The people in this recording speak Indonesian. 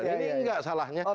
jadi ini enggak salahnya